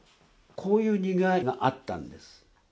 こういうにぎわいがあったんです。